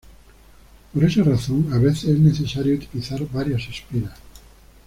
Por esa razón, a veces es necesario utilizar varias espiras.